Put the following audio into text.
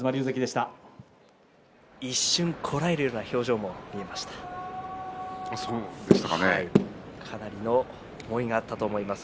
一瞬こらえるような表情がありました。